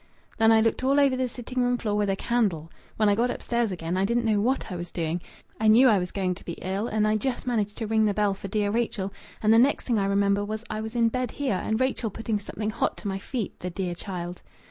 Then I looked all over the sitting room floor with a candle. When I got upstairs again I didn't know what I was doing. I knew I was going to be ill, and I just managed to ring the bell for dear Rachel, and the next thing I remember was I was in bed here, and Rachel putting something hot to my feet the dear child!"